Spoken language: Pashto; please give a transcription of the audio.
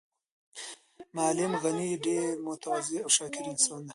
معلم غني یو ډېر متواضع او شاکر انسان دی.